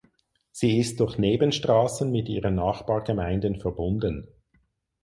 Sie ist durch Nebenstraßen mit ihren Nachbargemeinden verbunden.